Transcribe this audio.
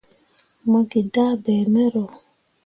Mo gi dah bai mero.